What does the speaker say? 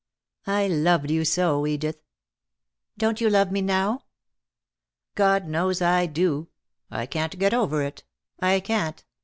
"I loved you so, Edith!" "Don't you love me now?" "God knows I do. I can't get over it. I can't.